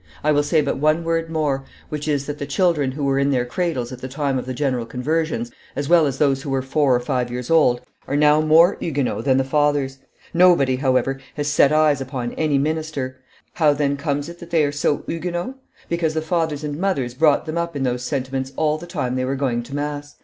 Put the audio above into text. ... I will say but one word more, which is, that the children who were in their cradles at the time of the general conversions, as well as those who were four or five years old, are now more Huguenot than the fathers; nobody, however, has set eyes upon any minister; how, then, comes it that they are so Huguenot? Because the fathers and mothers brought them up in those sentiments all the time they were going to mass.